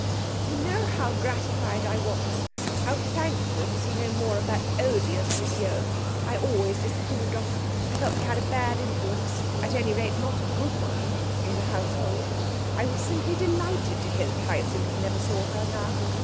'You know how gratified I was, how thankful to see no more of that odious Miss Yeo. I always disapproved of her. I felt she had a bad influence at any rate not a good one in the household. I was simply delighted to hear that Hyacinth never saw her now.